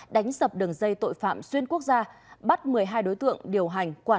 đánh sập đường dây tội phạm xuyên quốc gia bắt một mươi hai đối tượng điều hành